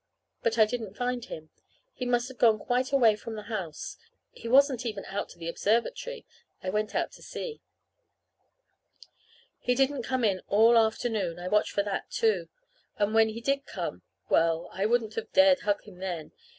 But I didn't find him. He must have gone quite away from the house. He wasn't even out to the observatory. I went out to see. He didn't come in all the afternoon. I watched for that, too. And when he did come well, I wouldn't have dared to hug him then.